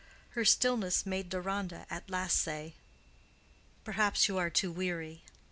Her stillness made Deronda at last say, "Perhaps you are too weary.